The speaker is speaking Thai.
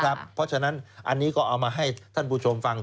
เพราะฉะนั้นอันนี้ก็เอามาให้ท่านผู้ชมฟัง